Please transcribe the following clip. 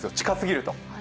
近すぎると。